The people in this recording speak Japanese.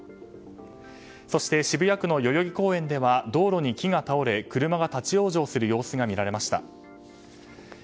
そして、渋谷区の代々木公園では道路に木が倒れ車が立ち往生する様子が見られました。